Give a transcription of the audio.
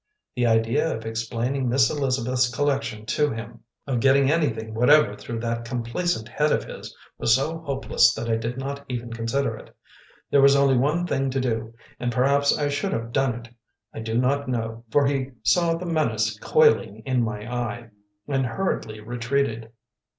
The idea of explaining Miss Elizabeth's collection to him, of getting anything whatever through that complacent head of his, was so hopeless that I did not even consider it. There was only one thing to do, and perhaps I should have done it I do not know, for he saw the menace coiling in my eye, and hurriedly retreated.